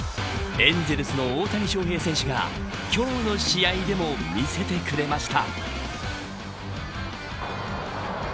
エンゼルスの大谷翔平選手が今日の試合でも見せてくれました。